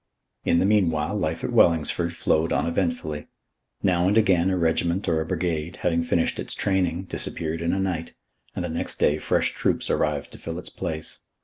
In the meanwhile life at Wellingsford flowed uneventfully. Now and again a regiment or a brigade, having finished its training, disappeared in a night, and the next day fresh troops arrived to fill its place.